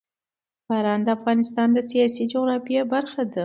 باران د افغانستان د سیاسي جغرافیه برخه ده.